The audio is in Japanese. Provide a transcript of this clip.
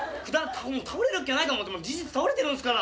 「倒れるっきゃないかも」って事実倒れてるんですから。